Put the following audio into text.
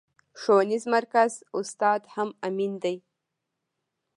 ښوونيز مرکز استاد هم امين دی.